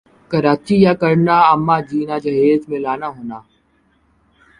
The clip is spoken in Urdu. کراچی یِہ کرنا اماں جینا جہیز میں لانا ہونا